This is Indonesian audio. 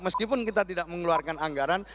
meskipun kita tidak mengeluarkan anggaran